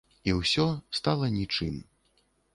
І ўсё стала нічым.